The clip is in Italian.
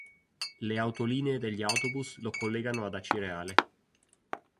Le autolinee degli autobus lo collegano ad Acireale.